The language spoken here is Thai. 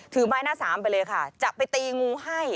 ไม้หน้าสามไปเลยค่ะจะไปตีงูให้